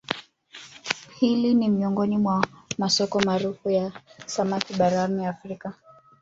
Hili ni miongoni mwa masoko maarufu ya samaki barani Afrika